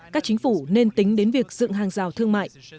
các chính phủ nên tính đến việc dựng hàng rào thương mại